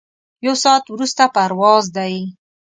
یو ساعت وروسته پرواز دی.